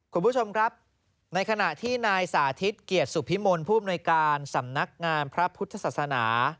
คุณผู้ชมครับในขณะที่นายสาธิตเกียรติสุพิมลผู้อำนวยการสำนักงานพระพุทธศาสนา